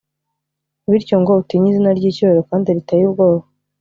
bityo ngo utinye izina ry’icyubahiro kandi riteye ubwoba,